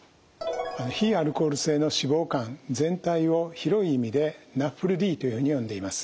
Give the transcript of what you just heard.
非アルコール性の脂肪肝全体を広い意味でＮＡＦＬＤというふうに呼んでいます。